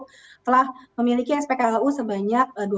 jasa marga group telah memiliki beberapa perusahaan yang berbeda